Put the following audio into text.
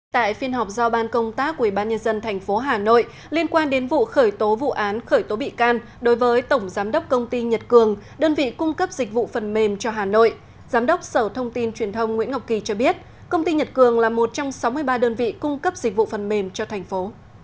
tại phiên họp do ban công tác ubnd tp hà nội liên quan đến vụ khởi tố vụ án khởi tố bị can đối với tổng giám đốc công ty nhật cường đơn vị cung cấp dịch vụ phần mềm cho hà nội giám đốc sở thông tin truyền thông nguyễn ngọc kỳ cho biết công ty nhật cường là một trong sáu mươi ba đơn vị cung cấp dịch vụ phần mềm cho thành phố